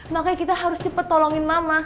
makanya kita harus cepat tolongin mama